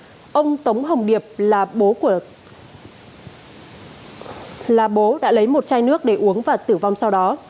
hôm nay ông tống hồng điệp là bố đã lấy một chai nước để uống và tử vong sau đó